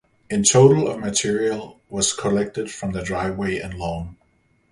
In total of material was collected from their driveway and lawn.